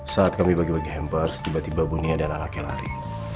saat kami bagi bagi hampers tiba tiba bu nia dan anaknya lari